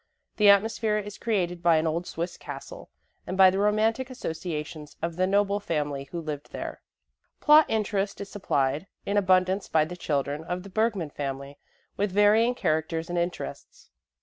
The atmosphere is created by an old Swiss castle and by the romantic associations of the noble family who lived there. Plot interest is supplied in abundance by the children of the Bergmann family with varying characters and interests.